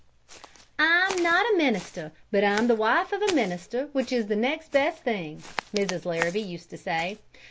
"I'm not a minister, but I'm the wife of a minister, which is the next best thing," Mrs. Larrabee used to say.